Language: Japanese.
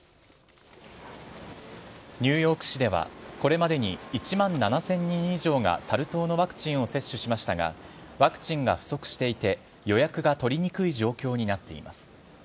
ニューヨーク市では、これまでに１万７０００人以上がサル痘のワクチンを接種しましたが、ワクチンが不足していて、予約が取りにくい状況になっています。